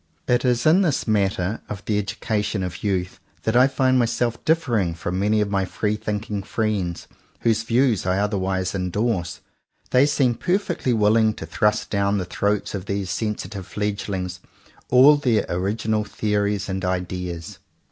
It is in this matter of the education of youthjthat I find myself differing from many of my free thinking friends, whose views I otherwise endorse. They seem perfectly willing to thrust down the throats of these sensitive fledgelings all their original the ories and ideas.